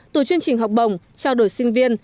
từ chương trình học bổng trao đổi sinh viên